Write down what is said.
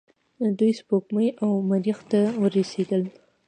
دوی سپوږمۍ او مریخ ته ورسیدل.